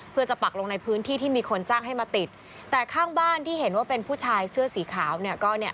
เพื่อจะปักลงในพื้นที่ที่มีคนจ้างให้มาติดแต่ข้างบ้านที่เห็นว่าเป็นผู้ชายเสื้อสีขาวเนี่ยก็เนี่ย